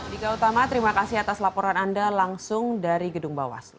dika utama terima kasih atas laporan anda langsung dari gedung bawaslu